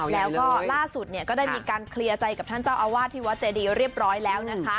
แล้วก็ล่าสุดก็ได้มีการเคลียร์ใจกับท่านเจ้าอาวาสที่วัดเจดีเรียบร้อยแล้วนะคะ